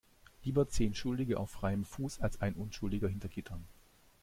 Lieber zehn Schuldige auf freiem Fuß als ein Unschuldiger hinter Gittern.